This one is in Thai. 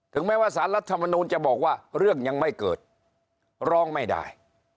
แม้ว่าสารรัฐมนูลจะบอกว่าเรื่องยังไม่เกิดร้องไม่ได้